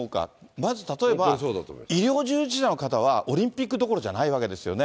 まず例えば、医療従事者の方は、オリンピックどころじゃないわけですよね。